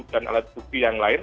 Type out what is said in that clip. dan alat bukti yang lain